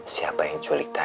siapa yang culik tasya